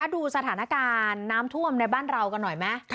ดูสถานการณ์น้ำท่วมในบ้านเรากันหน่อยไหม